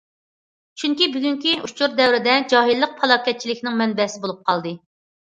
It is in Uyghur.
چۈنكى بۈگۈنكى ئۇچۇر دەۋرىدە جاھىللىق پالاكەتچىلىكنىڭ مەنبەسى بولۇپ قالدى.